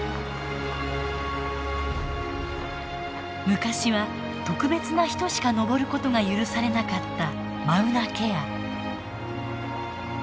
昔は特別な人しか登る事が許されなかったマウナケア。